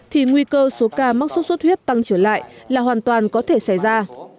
thì nguy cơ số ca mắc sốt xuất huyết tăng trở lại là hoàn toàn có thể xảy ra